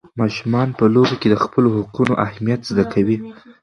ماشومان په لوبو کې د خپلو حقونو اهمیت زده کوي.